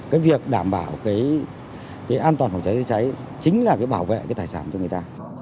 cái việc đảm bảo cái an toàn phòng cháy chữa cháy chính là cái bảo vệ cái tài sản cho người ta